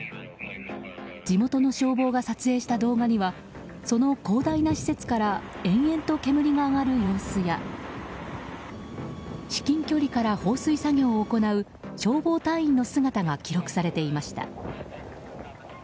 地元の消防が撮影した動画にはその広大な施設から延々と煙が上がる様子や至近距離から放水作業を行う消防隊員の姿が記録されていました。